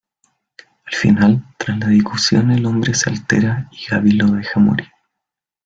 Al final, tras la discusión el hombre se altera, y Gabi lo deja morir.